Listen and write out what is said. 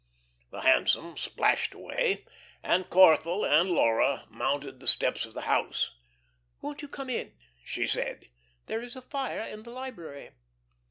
The hansom splashed away, and Corthell and Laura mounted the steps of the house. "Won't you come in?" she said. "There is a fire in the library."